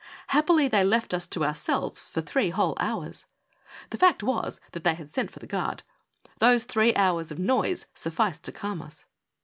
Happily they left us to ourselves for three whole hours. The fact was that they had sent for the guard. Those three hours of noise sufficed to calm us.